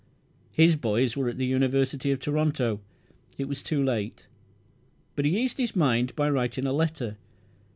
His boys were at the University of Toronto. It was too late; but he eased his mind by writing a letter.